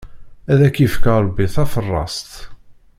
Ad ak-ifk, Ṛebbi taferrast!